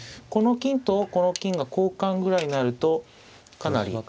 この金とこの金が交換ぐらいになるとかなり。